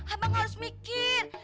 abang harus mikir